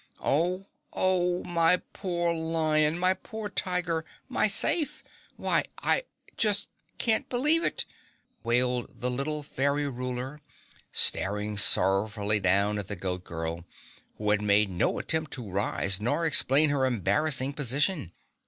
"Oh! Oh! My poor Lion! My poor Tiger! My SAFE! Why, I just can't believe it!" wailed the little Fairy Ruler, staring sorrowfully down at the Goat Girl, who had made no attempt to rise nor explain her embarrassing position.